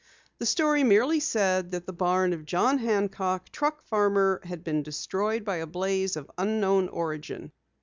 The story merely said that the barn of John Hancock, truck farmer, had been destroyed by a blaze of unknown origin.